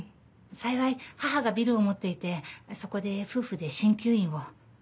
幸い母がビルを持っていてそこで夫婦で鍼灸院を。